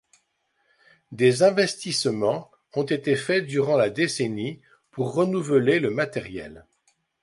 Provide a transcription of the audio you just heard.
Des investissements ont été faits durant la décennie pour renouveler le matériel.